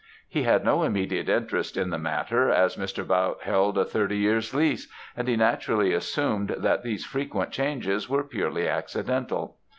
He had no immediate interest in the matter, as Mr. Bautte held a thirty years lease, and he naturally assumed that these frequent changes were purely accidental.